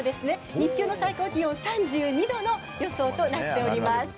日中の最高気温３２度の予想となっております。